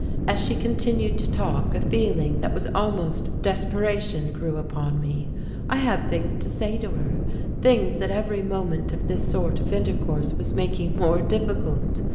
As she continued to talk, a feeling that was almost desperation grew upon me. I had things to say to her, things that every moment of this sort of intercourse was making more difficult.